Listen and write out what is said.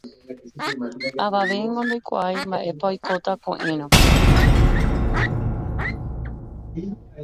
Avavéngo ndoikuaái mba'épa oikóta ko'ẽrõ.